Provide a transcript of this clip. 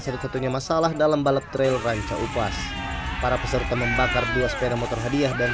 satu satunya masalah dalam balap trail ranca upas para peserta membakar dua sepeda motor hadiah dan